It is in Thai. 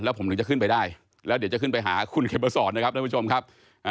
ผมถึงจะขึ้นไปได้แล้วเดี๋ยวจะขึ้นไปหาคุณเขมสอนนะครับท่านผู้ชมครับ